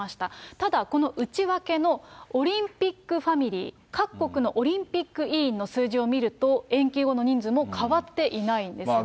ただ、この内訳のオリンピックファミリー、各国のオリンピック委員の数字を見ると、延期後の人数も変わっていないんですよね。